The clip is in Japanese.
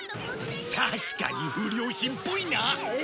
確かに不良品っぽいな